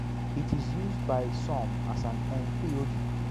It is used by some as an entheogen.